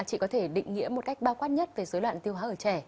chị có thể định nghĩa một cách bao quát nhất về dối loạn tiêu hóa ở trẻ